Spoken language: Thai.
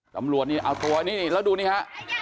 ตำรวจนี่เอาตัวนี่แล้วดูนี่ฮะ